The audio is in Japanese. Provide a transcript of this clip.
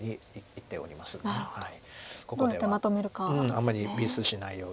あんまりミスしないように。